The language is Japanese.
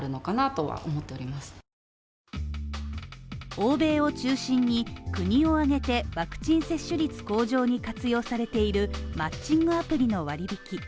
欧米を中心に、国を挙げて、ワクチン接種率向上に活用されているマッチングアプリの割引